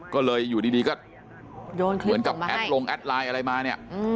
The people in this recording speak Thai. ก็เลยอยู่ดีก็เหมือนกับแอดลงแอดไลน์อะไรมาเนี่ย